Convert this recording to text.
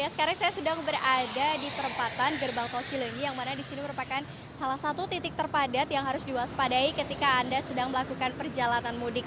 sekarang saya sedang berada di perempatan gerbang tol cilenyi yang mana di sini merupakan salah satu titik terpadat yang harus diwaspadai ketika anda sedang melakukan perjalanan mudik